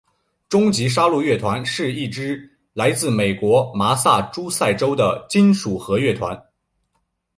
终极杀戮乐团是一支来自美国麻萨诸塞州的金属核乐团。